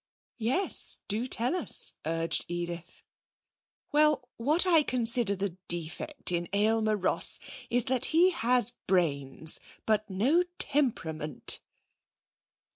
'Yes, do tell us,' urged Edith. 'Well, what I consider is the defect in Aylmer Ross is that he has brains, but no temperament.'